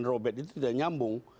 dan robek itu tidak nyambung